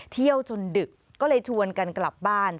จนดึกก็เลยชวนกันกลับบ้าน